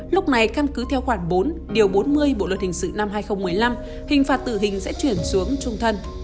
lúc này căn cứ theo khoản bốn điều bốn mươi bộ luật hình sự năm hai nghìn một mươi năm hình phạt tử hình sẽ chuyển xuống trung thân